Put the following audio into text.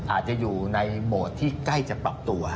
อาจจะอยู่ในโหมดที่ใกล้จะปรับตัว